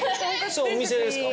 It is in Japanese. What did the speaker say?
⁉お店ですか？